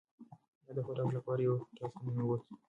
هغه د خوراک لپاره یوه هوټل ته ننووت.